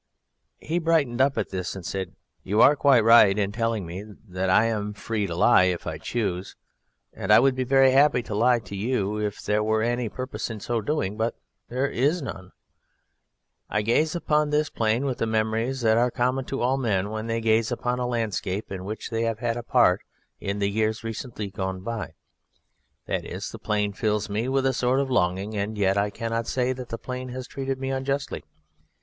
He brightened up at this, and said: "You are quite right in telling me that I am free to lie if I choose, and I would be very happy to lie to you if there were any purpose in so doing, but there is none. I gaze upon this plain with the memories that are common to all men when they gaze upon a landscape in which they have had a part in the years recently gone by. That is, the plain fills me with a sort of longing, and yet I cannot say that the plain has treated me unjustly.